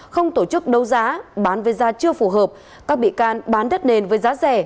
không tổ chức đấu giá bán với giá chưa phù hợp các bị can bán đất nền với giá rẻ